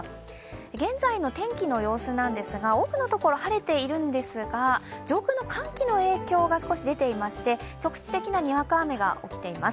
現在の天気の様子なんですが、多くの所、晴れているんですが上空の寒気の影響が少し出ていまして、局地的なにわか雨が起きています。